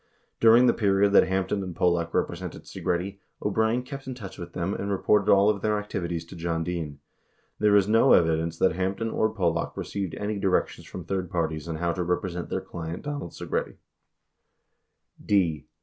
88 During the period that Hampton and Pollock represented Segretti, O'Brien kept in touch with them and reported all of their activities to John Dean. 89 There is no evidence that Hampton or Pollock received any directions from third parties on how to represent their client, Donald Segretti. 77 ma. 78 Ibid.